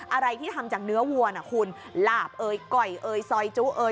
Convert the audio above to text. อะไรที่ทำจากเนื้อวัวนะคุณหลาบเอ่ยก่อยเอ่ยซอยจุเอย